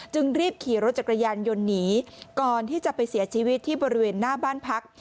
จึงรีบขี่รถจักรยานยนต์หนีก่อนที่จะไปเสียชีวิตที่บริเวณหน้าบ้านพัก